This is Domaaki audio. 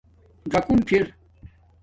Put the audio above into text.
ژَکُن فَر